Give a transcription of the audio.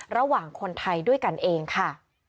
ระหว่างคนไทยด้วยกันเองค่ะ